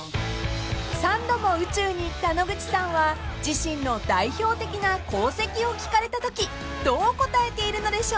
［３度も宇宙に行った野口さんは自身の代表的な功績を聞かれたときどう答えているのでしょうか？］